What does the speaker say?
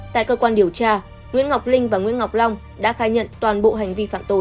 tại cơ quan điều tra nguyễn ngọc linh và nguyễn ngọc long đã khai nhận toàn bộ hành vi phạm tội